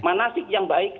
manasik yang baik